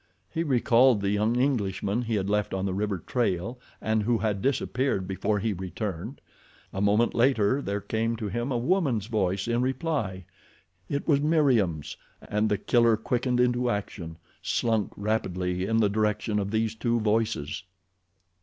He recalled the young Englishman he had left on the river trail and who had disappeared before he returned. A moment later there came to him a woman's voice in reply—it was Meriem's, and The Killer, quickened into action, slunk rapidly in the direction of these two voices.